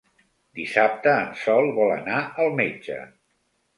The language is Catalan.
Dissabte en Sol vol anar al metge.